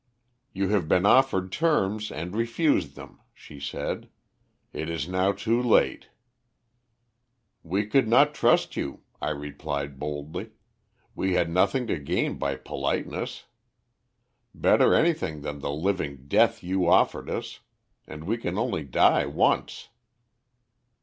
"'You have been offered terms and refused them,' she said. 'It is now too late.' "'We could not trust you,' I replied boldly; we had nothing to gain by politeness. 'Better anything than the living death you offered us. And we can only die once.'